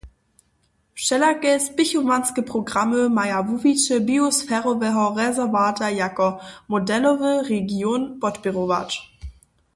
Wšelake spěchowanske programy maja wuwiće biosferoweho rezerwata jako modelowy region podpěrować.